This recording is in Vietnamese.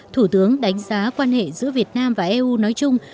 thủ tướng đánh giá quan hệ giữa việt nam và eu nói chung